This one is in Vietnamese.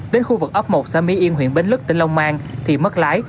đến khu vực ấp một xã mỹ yên huyện bến lức tỉnh long an thì mất lái